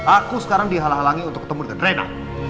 aku sekarang dihalang halangi untuk ketemu dengan rena